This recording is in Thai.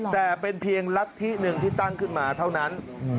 แต่เป็นเพียงรัฐธิหนึ่งที่ตั้งขึ้นมาเท่านั้น